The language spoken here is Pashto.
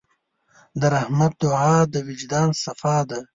د رحمت دعا د وجدان صفا ده.